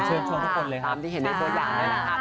ตรงทุกคนเลยครับ